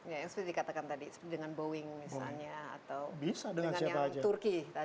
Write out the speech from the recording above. ya seperti yang dikatakan tadi seperti dengan boeing misalnya atau dengan yang turki tadi